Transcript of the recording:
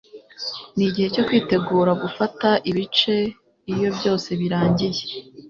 nigihe cyo kwitegura gufata ibice iyo byose birangiye